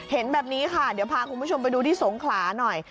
เห็นแบบนี้ค่ะเดี๋ยวพาคุณผู้ชมไปดูที่สงขลาหน่อย